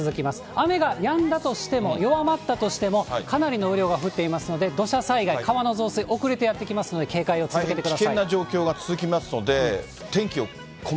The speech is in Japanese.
雨がやんだとしても、弱まったとしても、かなりの雨量が降っていますので、土砂災害、川の増水、遅れてやって来ますので、警戒を続けてください。